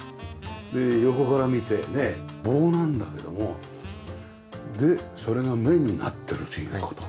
横から見てね棒なんだけどもでそれが目になっているというねこの。